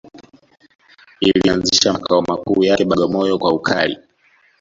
Ilianzisha makao makuu yake Bagamoyo kwa ukali